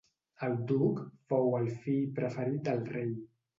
El duc fou el fill preferit del rei.